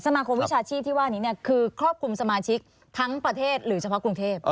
มาคมวิชาชีพที่ว่านี้คือครอบคลุมสมาชิกทั้งประเทศหรือเฉพาะกรุงเทพ